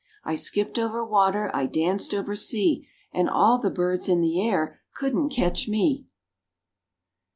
I skipped over water, I danced over sea, And all the birds in the air couldn't catch me.